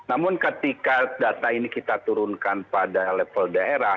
namun ketika data ini kita turunkan pada level daerah